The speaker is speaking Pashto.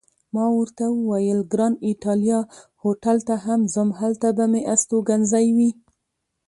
ما ورته وویل: ګران ایټالیا هوټل ته هم ځم، هلته به مې استوګنځی وي.